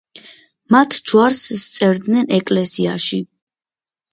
მათ ჯვარს სწერდნენ ეკლესიაში.